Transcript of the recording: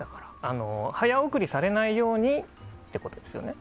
早送りされないようにってことですよね。